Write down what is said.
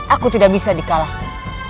aku tidak bisa dikalahkan